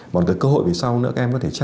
còn cái cơ hội về sau nữa các em có thể tra